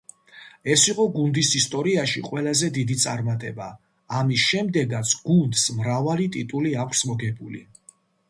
ეს იყო გუნდის ისტორიაში ყველაზე დიდი წარმატება, ამის შემდეგაც გუნდს მრავალი ტიტული აქვს მოგებული.